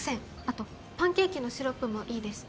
あとパンケーキのシロップもいいです